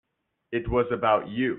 It was about you.